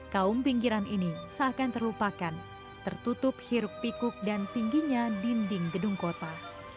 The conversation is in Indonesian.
kaum pinggiran ini seakan terlupakan tertutup hiruk pikuk dan tingginya dinding gedung kota